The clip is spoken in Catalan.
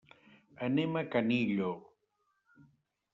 Anem a Canillo.